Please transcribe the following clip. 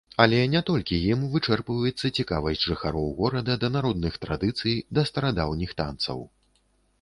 Але не толькі ім вычэрпваецца цікавасць жыхароў горада да народных традыцый, да старадаўніх танцаў.